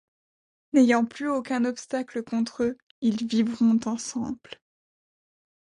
N'ayant plus aucun obstacle contre eux, ils vivront ensemble.